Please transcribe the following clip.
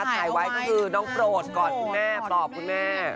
ถ่ายไว้ก็คือน้องโปรดกอดคุณแม่ปลอบคุณแม่